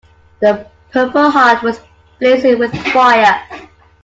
The purple heart was blazing with fire.